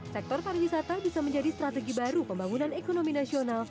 sektor pariwisata bisa menjadi strategi baru pembangunan ekonomi nasional